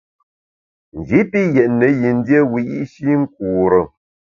Nji pi yètne yin dié wiyi’shi nkure.